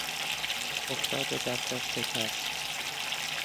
افتاد و دستش شکست.